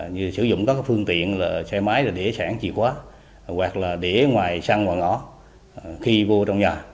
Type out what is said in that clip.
như sử dụng các phương tiện xe máy là để sản chìa khóa hoặc là để ngoài xăng ngoài ngõ khi vô trong nhà